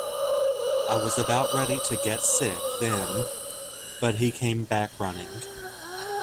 I was about ready to get sick then, but he came back running.